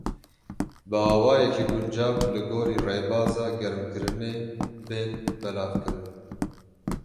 Bi awayekî guncav li gorî rêbaza germkirinê, bên belavkirin.